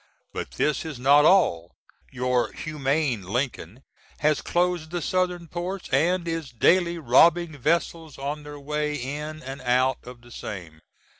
But this is not all; your humane Lincoln has closed the Southern ports, & is daily robbing vessels on their way in & out of the same.